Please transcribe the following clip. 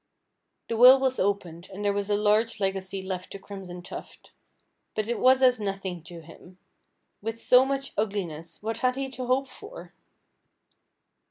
The will was opened, and there was a large legacy left to Crimson Tuft. But it was as nothing to him. With so much ugliness, what had he to hope for!